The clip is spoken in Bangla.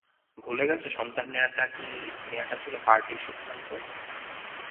ভুলে গেছ সন্তান নেয়াটা ছিল পার্টির সিদ্ধান্ত?